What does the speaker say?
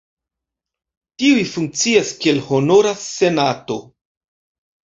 Tiuj funkcias kiel honora senato.